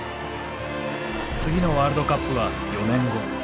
次のワールドカップは４年後。